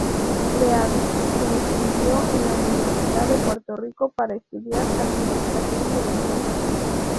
Leavitt se inscribió en la Universidad de Puerto Rico para estudiar Administración de empresas.